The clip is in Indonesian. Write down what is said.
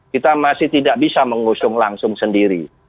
kita masih tidak bisa mengusung langsung sendiri